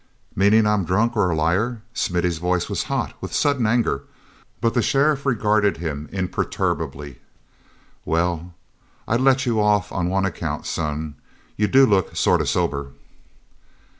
"Meaning I'm drunk or a liar." Smithy's voice was hot with sudden anger, but the sheriff regarded him imperturbably. "Well, I'd let you off on one count, son. You do look sort of sober."